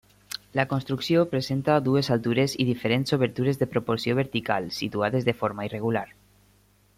La construcció presenta dues altures i diferents obertures de proporció vertical, situades de forma irregular.